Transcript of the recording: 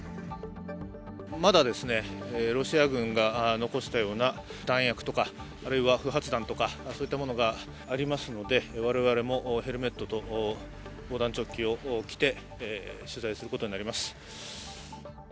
まだロシア軍が残したような弾薬とかあるいは不発弾とかそういったものがありますので我々もヘルメットと防弾チョッキを着て取材することになります。